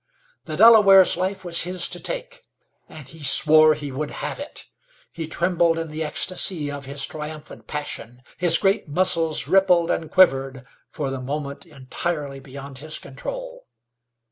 The Delaware's life was his to take, and he swore he would have it! He trembled in the ecstasy of his triumphant passion; his great muscles rippled and quivered, for the moment was entirely beyond his control.